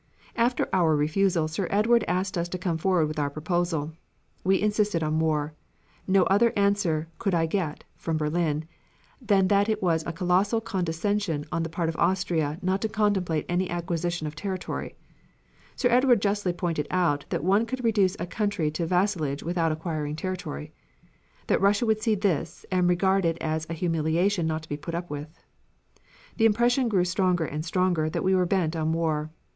After our refusal Sir Edward asked us to come forward with our proposal. We insisted on war. No other answer could I get (from Berlin) than that it was a colossal condescension on the part of Austria not to contemplate any acquisition of territory. Sir Edward justly pointed out that one could reduce a country to vassalage without acquiring territory; that Russia would see this, and regard it as a humiliation not to be put up with. The impression grew stronger and stronger that we were bent on war.